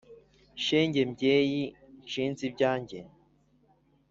shenge mbyeyi nshinze ibyange ;